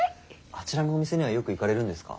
あちらのお店にはよく行かれるんですか？